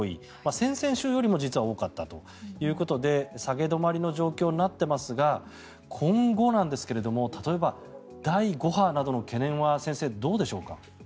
先々週よりも実は多かったということで下げ止まりの状況になっていますが今後なんですが例えば、第５波などの懸念は先生、どうでしょうか。